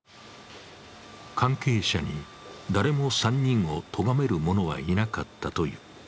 関係者に誰も３人をとがめる者はいなかったという。